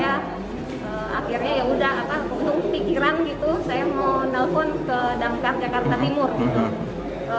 jadi saya akhirnya ya udah keuntung pikiran gitu saya mau nelfon ke damkar jakarta timur